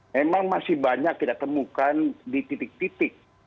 memang masih banyak kita temukan di titik titik